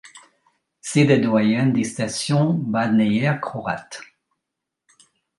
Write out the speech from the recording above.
C'est la doyenne des stations balnéaires croates.